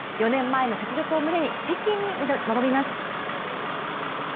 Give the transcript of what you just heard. ４年前の雪辱を胸に北京へ挑みます。